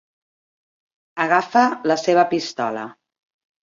Agafa la seva pistola!